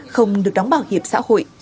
không được đóng bảo hiệp xã hội